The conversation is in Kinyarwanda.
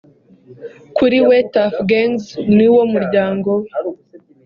Kuri we Tuff Gangs niwo muryango we